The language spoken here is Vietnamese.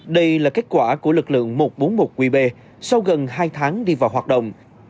đây là kết quả của lực lượng một trăm bốn mươi một qb sau gần hai tháng đi vào hoạt động